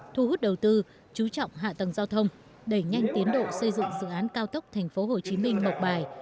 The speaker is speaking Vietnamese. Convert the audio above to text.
thu hút đầu tư chú trọng hạ tầng giao thông đẩy nhanh tiến độ xây dựng dự án cao tốc tp hcm mộc bài